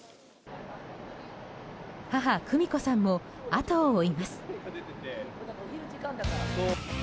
母・久美子さんも後を追います。